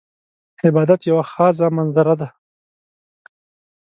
عبادت یوه خاضه منظره ده .